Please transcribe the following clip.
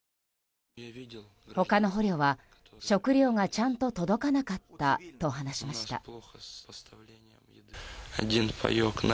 他の捕虜は食料がちゃんと届かなかったと話しました。